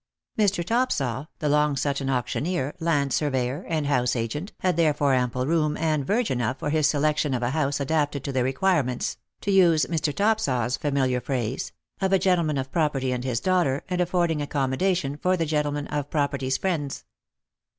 Mr. Topsaw, the Long Sutton auctioneer, land surveyor, and house agent, had there fore ample room and verge enough for his selection of a house adapted to the requirements — to use Mr. Topsaw's fa miliar phrase — of a gentleman of property and his daughter, and affording accommodation for the gentleman of property's friends.